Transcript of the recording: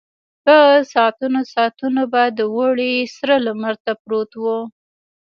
په ساعتونو ساعتونو به د اوړي سره لمر ته پروت و.